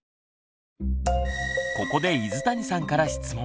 ここで泉谷さんから質問。